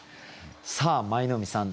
さあ舞の海さん